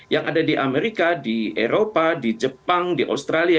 yang ada di amerika di eropa di jepang di australia